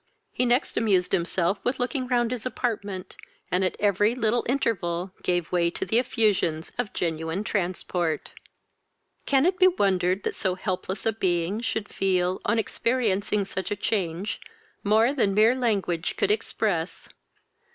He next amused himself with looking round his apartment, and at every little interval gave way to the effusions of genuine transport. Can it be wondered that so helpless a being should feel, on experiencing such a change, more than mere language could express!